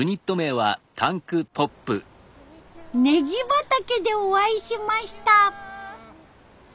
ネギ畑でお会いしました。